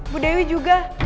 bu dewi juga